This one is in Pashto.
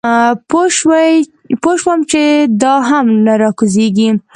پوی شوم چې دا هم نه راکوزېږي.